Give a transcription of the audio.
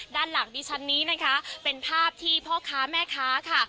ด้านหลังดิฉันนี้นะคะเป็นภาพที่พ่อค้าแม่ค้าค่ะ